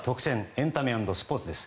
エンタメ＆スポーツです。